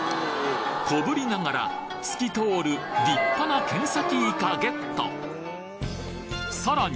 小ぶりながら透き通る立派なケンサキイカゲットさらに